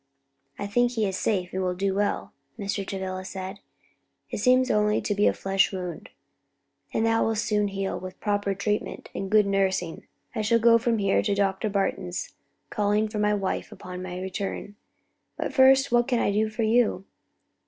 "I think he is safe and will do well," Mr. Travilla said. "It seems to be only a flesh wound, and will soon heal with proper treatment and good nursing. I shall go from here to Dr. Barton's; calling for my wife on my return. But first what can I do for you?